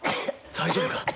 大丈夫か？